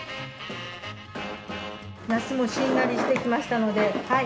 ナスもしんなりしてきましたのではい